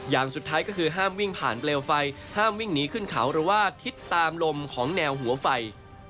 อย่างสุดท้ายก็คือห้ามวิ่งผ่านเปลวไฟห้ามวิ่งหนีขึ้นเขาหรือว่าทิศตามลมของแนวหัวไฟ